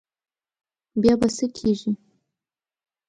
بیا به څه کېږي.